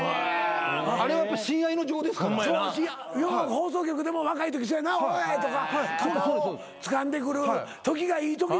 放送局でも若いとき「おい！」とか肩をつかんでくるときがいいときなのか。